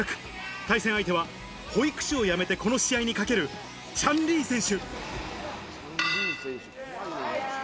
対戦相手は保育士を辞めて、この試合にかけるチャン・リー選手。